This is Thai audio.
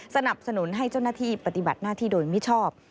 สนับสนุนให้เจ้าหน้าที่ปฏิบัติหน้าที่โดยมิชอบ